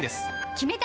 決めた！